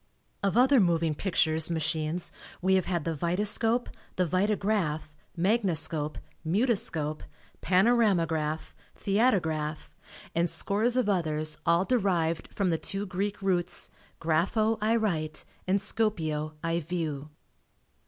Of other moving pictures machines we have had the vitascope, vitagraph, magniscope, mutoscope, panoramagraph, theatograph and scores of others all derived from the two Greek roots grapho I write and scopeo I view.